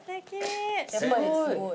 やっぱりすごい。